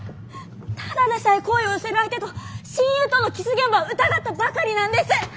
ただでさえ好意を寄せる相手と親友とのキス現場を疑ったばかりなんです！